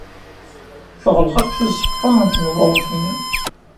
Teɣleq akk tizewwa n tmudrut-nni.